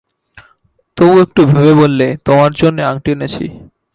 তবু একটু ভেবে বললে, তোমার জন্যে আংটি এনেছি।